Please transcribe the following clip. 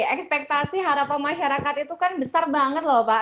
ekspektasi harapan masyarakat itu kan besar banget loh pak